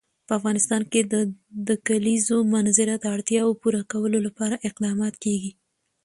په افغانستان کې د د کلیزو منظره د اړتیاوو پوره کولو لپاره اقدامات کېږي.